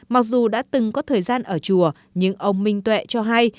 mặc dù đã từng có thời gian ở chùa nhưng ông minh tuệ cho hay